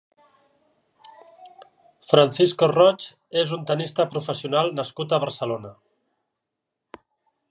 Francisco Roig és un tennista professional nascut a Barcelona.